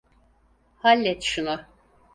Hallet şunu.